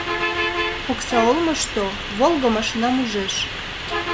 Окса олмышто «Волга» машинам ужеш.